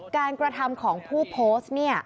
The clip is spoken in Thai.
การกระทำของผู้โพสต์